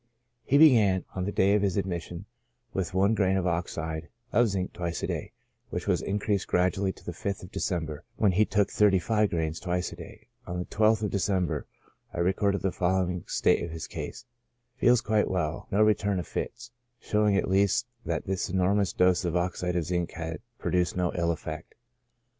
He began, on the day of his admission, with one grain of oxide of zinc twice a day, which was increased gradually till the 5th of December, when he took thirty five grains twice a day; on the 12th of December I re corded the following state of his case :" Feels quite well ; no return of fits :" showing at least that this enormous dose of oxide of zinc had produced no ill effect.